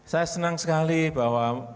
saya senang sekali bahwa